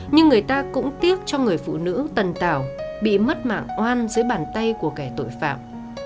nhưng người ta cũng tiếc cho người phụ nữ tần tảo bị mất mạng oan dưới bàn tay của kẻ tội phạm